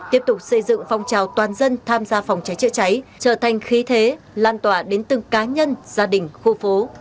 tiếp tục xây dựng phong trào toàn dân tham gia phòng cháy chữa cháy trở thành khí thế lan tỏa đến từng cá nhân gia đình khu phố